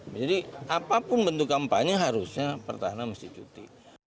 jadi apapun bentuk kampanye harusnya pertahanan mesti cuti